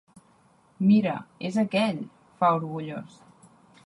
Mira, és aquell! —fa, orgullós.